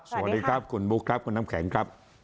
สวัสดีครับคุณบุ๊คครับคุณน้ำแข็งครับ